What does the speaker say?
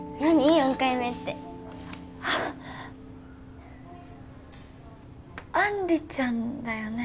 「４回目」ってあっ杏里ちゃんだよね？